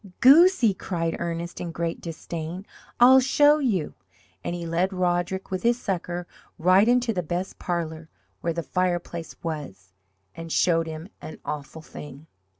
"Goosey!" cried Ernest, in great disdain. "I'll show you!" and he led Roderick, with his sucker, right into the best parlour, where the fireplace was, and showed him an awful thing.